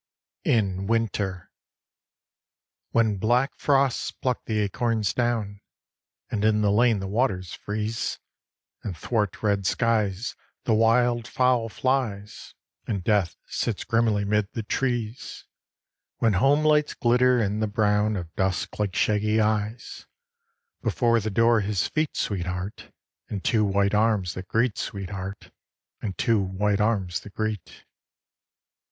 IN WINTER I. When black frosts pluck the acorns down, And in the lane the waters freeze; And 'thwart red skies the wild fowl flies, And death sits grimly 'mid the trees; When home lights glitter in the brown Of dusk like shaggy eyes, Before the door his feet, sweetheart, And two white arms that greet, sweetheart, And two white arms that greet.